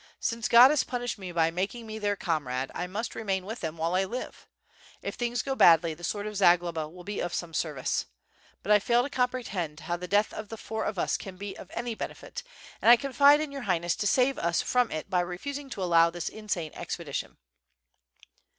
Since God has punished me by making me their comrade, I must remain with them while 1 live. If things go badly the sword of Zagloba will be of some service. But I fail to comprehend how the death of the four of us can be of any benefit, and I confide in your Highness to save us from it by refusing to allow this insane expedition."